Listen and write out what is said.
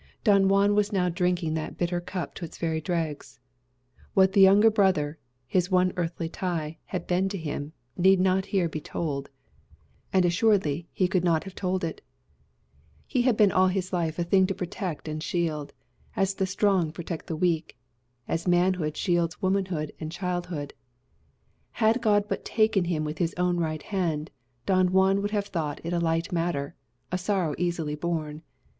Don Juan was now drinking that bitter cup to its very dregs. What the young brother, his one earthly tie, had been to him, need not here be told; and assuredly he could not have told it. He had been all his life a thing to protect and shield as the strong protect the weak, as manhood shields womanhood and childhood. Had God but taken him with his own right hand, Juan would have thought it a light matter, a sorrow easily borne.